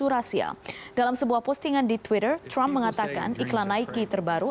dalam sebuah postingan di twitter trump mengatakan iklan ike terbaru